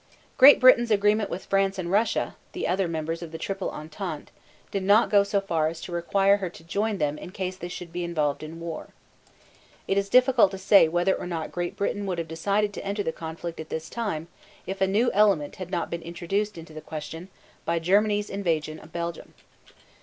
Great Britain's agreement with France and Russia, the other members of the Triple Entente, did not go so far as to require her to join them in case they should be involved in war. It is difficult to say whether or not Great Britain would have decided to enter the conflict at this time if a new element had not been introduced into the question by Germany's invasion of Belgium.